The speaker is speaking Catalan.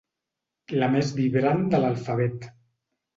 La més vibrant de l'alfabet.